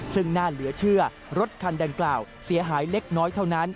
ซึ่งน่าเหลือเชื่อรถคันดังกล่าวเสียหายเล็กน้อยเท่านั้น